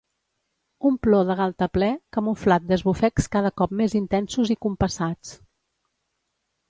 Un plor de galtaplè, camuflat d'esbufecs cada cop més intensos i compassats.